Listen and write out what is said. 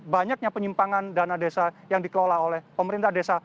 banyaknya penyimpangan dana desa yang dikelola oleh pemerintah desa